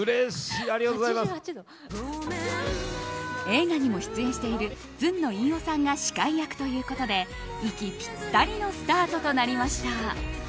映画にも出演しているずんの飯尾さんが司会役ということで息ぴったりのスタートとなりました。